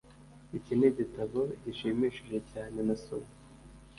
Iki nigitabo gishimishije cyane nasomye